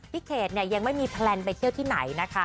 เขตเนี่ยยังไม่มีแพลนไปเที่ยวที่ไหนนะคะ